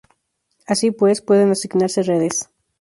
Así pues, pueden asignarse redes.